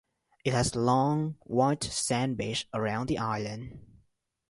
It has long white sand beach around the island.